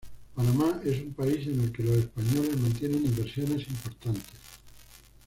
Panamá es un país en el que los españoles mantienen inversiones importantes.